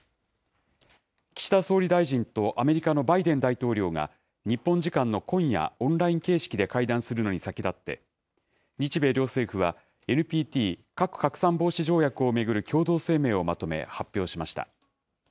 岸田総理大臣とアメリカのバイデン大統領が、日本時間の今夜、オンライン形式で会談するのに先立って、日米両政府はＮＰＴ・核拡散防止条約を巡る共同声明をまとめ、発表しました。